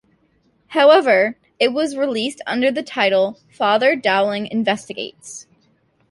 However, it was released under the title "Father Dowling Investigates".